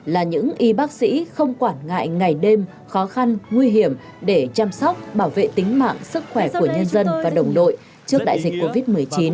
là những y bác sĩ không quản ngại ngày đêm khó khăn nguy hiểm để chăm sóc bảo vệ tính mạng sức khỏe của nhân dân và đồng đội trước đại dịch covid một mươi chín